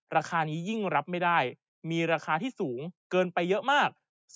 ราคานี้ยิ่งรับไม่ได้มีราคาที่สูงเกินไปเยอะมาก